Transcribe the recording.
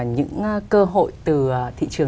những cơ hội từ thị trường